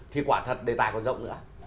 thì quả thật đề tài còn rộng nữa